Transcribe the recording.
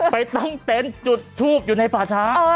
ไปตั้งเต็นต์จุดทูบอยู่ในป่าช้า